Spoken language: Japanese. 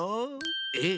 えっ？